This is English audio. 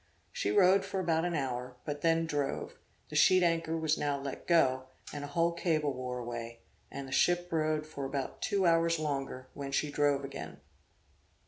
She rode for about an hour, but then drove; the sheet anchor was now let go, and a whole cable wore away, and the ship rode for about two hours longer, when she drove again.